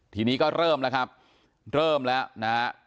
ทีนี้ก็เริ่มแล้วครับเริ่มแล้วนะฮะ